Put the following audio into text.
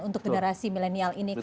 untuk generasi milenial ini